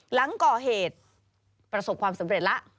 หลังก่อเหตุประสบความสำเร็จแล้ว